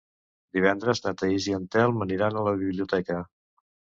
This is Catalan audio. Divendres na Thaís i en Telm aniran a la biblioteca.